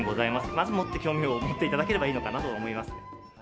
まずもって興味を持っていただければいいのかなと思います。